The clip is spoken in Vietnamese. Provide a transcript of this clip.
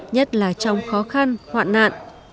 nhất là trong khó khăn hoạn nạn